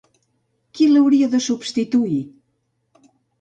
Qui l’hauria de substituir?